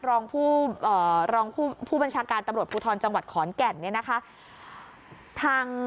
รองผู้บัญชาการตำรวจภูทรจังหวัดขอนแก่น